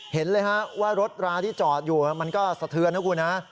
เห็นเลยฮะว่ารถราที่จอดอยู่มันก็สะเทือนนะคุณฮะ